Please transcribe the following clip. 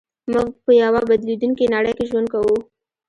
موږ په يوه بدلېدونکې نړۍ کې ژوند کوو.